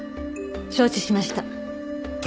承知しました。